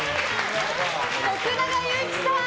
徳永ゆうきさん。